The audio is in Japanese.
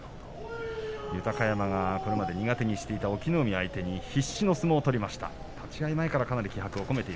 豊山はこれまで苦手としていた隠岐の海を相手に必死に相撲を取りました。